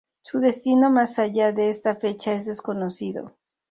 Su destino más allá de esta fecha es desconocido.